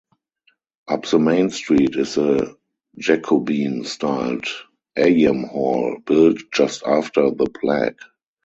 Up the main street is the Jacobean-styled Eyam Hall, built just after the plague.